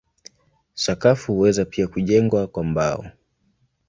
Sakafu huweza pia kujengwa kwa mbao.